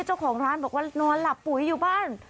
เจ้าของร้านนอนละปุ๋ยอยู่บ้าน